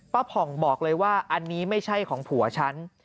ผ่องบอกเลยว่าอันนี้ไม่ใช่ของผัวฉัน